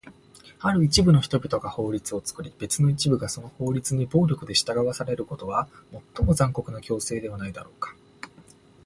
ある一部の人々が法律を作り、別の一部がその法律に暴力で従わされることは、最も残酷な強制ではないだろうか？